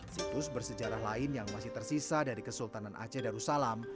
situs bersejarah lain yang masih tersisa dari kesultanan aceh darussalam